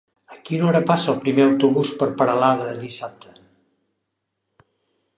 A quina hora passa el primer autobús per Peralada dissabte?